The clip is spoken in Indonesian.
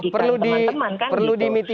mengugikan teman teman kan